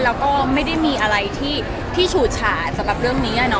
แล้วก็ไม่ได้มีอะไรที่ฉูดฉาสำหรับเรื่องนี้